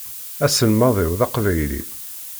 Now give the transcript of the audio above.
Aselmad-iw d aqbayli.